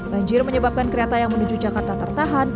banjir menyebabkan kereta yang menuju jakarta tertahan